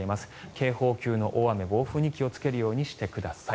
警報級の大雨、暴風に気をつけるようにしてください。